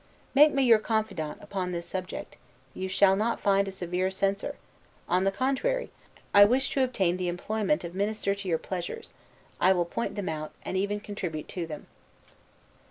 Make me your confidant upon this subject; you shall not find a severe censor: on the contrary, I wish to obtain the employment of minister to your pleasures: I will point them out, and even contribute to them.